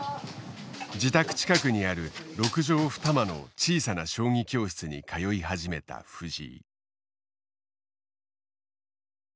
自宅近くにある６畳２間の小さな将棋教室に通い始めた藤井。